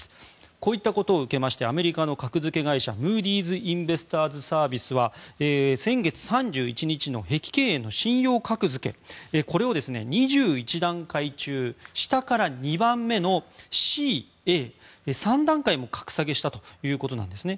こういったことを受けましてアメリカの格付け会社ムーディーズ・インベスターズ・サービスは先月３１日の碧桂園の信用格付けをこれを２１段階中下から２番目のＣａ、３段階も格下げしたということなんですね。